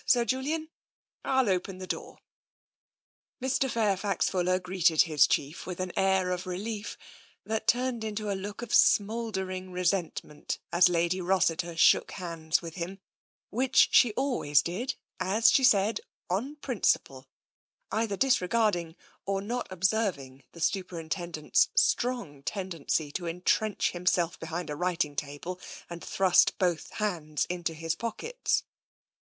Sir Julian ? I'll open the door." Mr. Fairfax Fuller greeted his chief with an air of relief that turned into a look of smouldering resent ment as Lady Rossiter shook hands with him, which she always did, as she said, on principle, either disre garding or not observing the Superintendent's strong tendency to entrench himself behind a writing table and thrust both hands into his pockets.